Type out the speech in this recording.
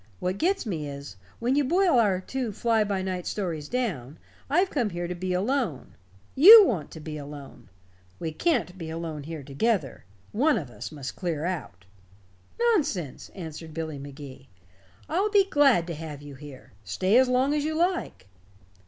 What gets me is, when you boil our two fly by night stories down, I've come here to be alone. You want to be alone. We can't be alone here together. One of us must clear out." "Nonsense," answered Billy Magee. "I'll be glad to have you here. Stay as long as you like."